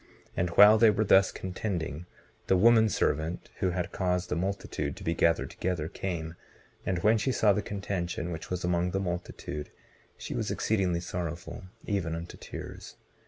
And while they were thus contending, the woman servant who had caused the multitude to be gathered together came, and when she saw the contention which was among the multitude she was exceedingly sorrowful, even unto tears.